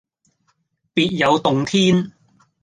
別有洞天